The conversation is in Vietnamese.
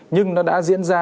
nhưng nó đã diễn ra